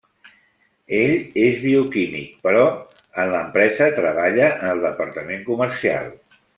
Ell és bioquímic però en l'empresa treballa en el departament comercial.